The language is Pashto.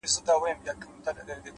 نیک عمل له یادونو اوږد عمر لري’